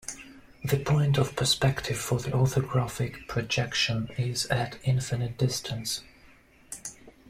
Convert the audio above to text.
The "point of perspective" for the orthographic projection is at infinite distance.